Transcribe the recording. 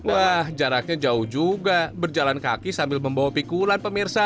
wah jaraknya jauh juga berjalan kaki sambil membawa pikulan pemirsa